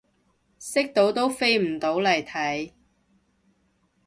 識到都飛唔到嚟睇